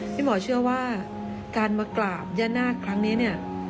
พี่หมอเชื่อว่าการมากราบย่านาคครั้งนี้เนี่ย